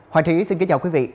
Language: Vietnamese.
hoàng trị xin kính chào quý vị